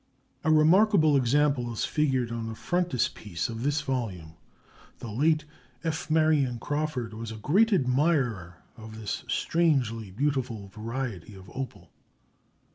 A remarkable example is figured on the frontispiece of this volume. The late F. Marion Crawford was a great admirer of this strangely beautiful variety of opal.